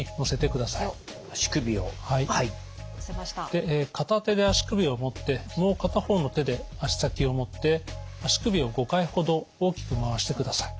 で片手で足首を持ってもう片方の手で足先を持って足首を５回ほど大きく回してください。